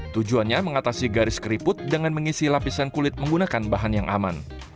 tujuannya mengatasi garis keriput dengan mengisi lapisan kulit menggunakan bahan yang aman